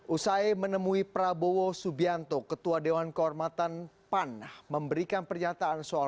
usai menemui prabowo subianto ketua dewan kehormatan pan memberikan pernyataan soal